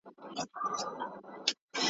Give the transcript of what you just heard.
له باوړیه اوبه نه سي را ایستلای `